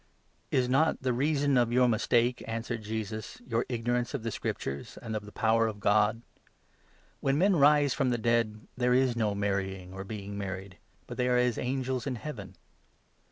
Is not the reason of your mistake," answered Jesus, " your 24 ignorance of the Scriptures and of the power of God ? When 25 men rise from the dead, there is no marrying or being married ; but they are as angels in Heaven.